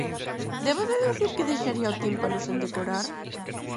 Debo deducir que deixaría o tímpano sen decorar?